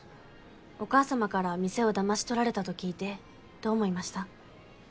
お母様から店を騙し取られたと聞いてどう思いました？